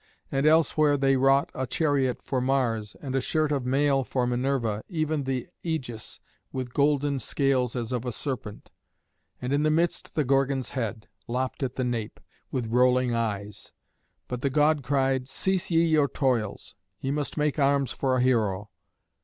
And elsewhere they wrought a chariot for Mars, and a shirt of mail for Minerva, even the Ægis, with golden scales as of a serpent, and in the midst the Gorgon's head, lopped at the nape, with rolling eyes. But the god cried, "Cease ye your toils. Ye must make arms for a hero."